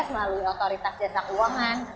melalui otoritas desa keuangan